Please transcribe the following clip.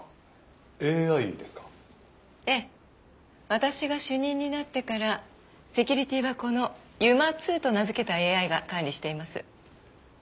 私が主任になってからセキュリティーはこのＵＭＡ−Ⅱと名付けたＡＩが管理しています。